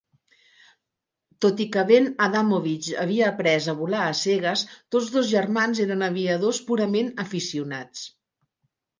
Tot i que Ben Adamowicz havia après a volar a cegues, tots dos germans eren aviadors purament aficionats.